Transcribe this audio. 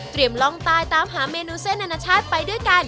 เตรียมลองตายตามหาเมนูเส้นอนาชาติไปด้วยกัน